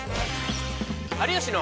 「有吉の」。